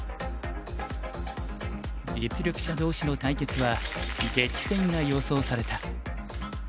実力者同士の対決は激戦が予想された。